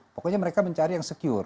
pokoknya mereka mencari yang secure